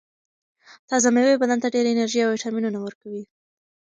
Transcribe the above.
تازه مېوې بدن ته ډېره انرژي او ویټامینونه ورکوي.